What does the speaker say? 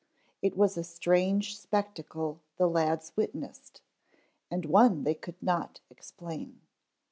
It was a strange spectacle the lads witnessed, and one they could not explain.